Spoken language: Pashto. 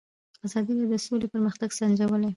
ازادي راډیو د سوله پرمختګ سنجولی.